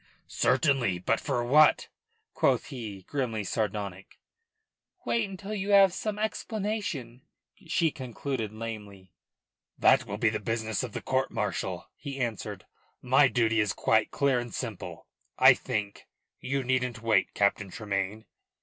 "Certainly. But for what?" quoth he, grimly sardonic. "Wait until you have some explanation," she concluded lamely. "That will be the business of the court martial," he answered. "My duty is quite clear and simple; I think. You needn't wait, Captain Tremayne."